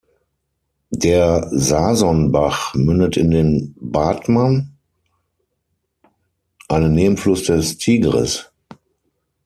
Der Sason-Bach mündet in den Batman, einen Nebenfluss des Tigris.